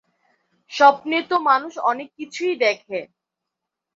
স্বপ্নে তো মানুষ অনেক কিছুই দেখে।